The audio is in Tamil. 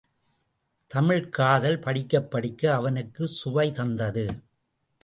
தமிழ்க் காதல் படிக்கப்படிக்க அவனுக்குச் சுவை தந்தது.